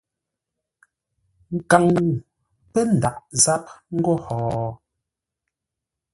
Nkaŋ-ŋuu pə́ ndaʼ záp ńgó ho?